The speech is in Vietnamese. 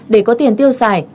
để có tiền tiêu xài